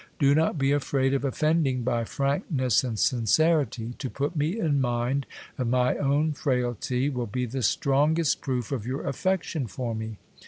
Do not be afraid of offending by frankness and sincerity, to put me in mind of my own frailty will be the strong est proof of your affection for me.